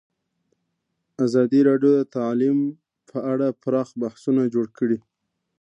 ازادي راډیو د تعلیم په اړه پراخ بحثونه جوړ کړي.